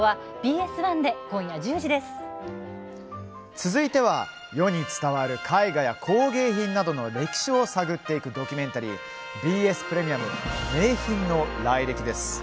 続いては世に伝わる絵画や工芸品などの歴史を探っていくドキュメンタリーＢＳプレミアム「名品の来歴」です。